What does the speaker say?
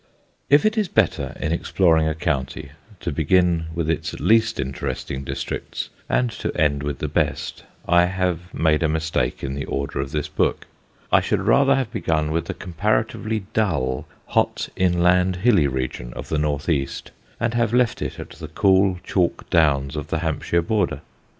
If it is better, in exploring a county, to begin with its least interesting districts and to end with the best, I have made a mistake in the order of this book: I should rather have begun with the comparatively dull hot inland hilly region of the north east, and have left it at the cool chalk Downs of the Hampshire border.